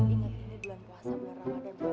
ingat ini bulan puasa bulan ramadhan